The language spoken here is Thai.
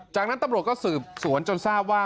จากนั้นตำรวจก็สืบสวนจนทราบว่า